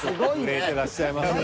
震えてらっしゃいますね。